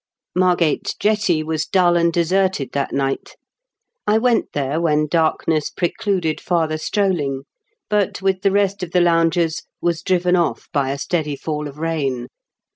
Mabgate jetty was dull and deserted that night. I went there when darkness precluded farther strolling, but, with the rest of the loungers, was driven off by a steady faU of rain.